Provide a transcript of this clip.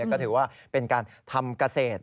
ก็ถือว่าเป็นการทำเกษตร